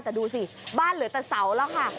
แต่ดูสิบ้านเหลือแต่เสาแล้วค่ะ